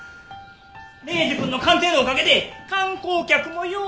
礼司くんの鑑定のおかげで観光客もよ